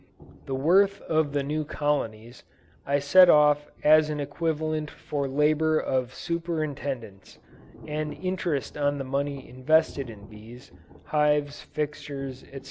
The worth of the new colonies, I set off as an equivalent for labor of superintendence, and interest on the money invested in bees, hives, fixtures, &c.